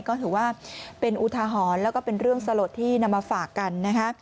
ก็ถือว่าเป็นอุทาหรณ์แล้วก็เป็นเรื่องสลดที่นำมาฝากกันนะคะ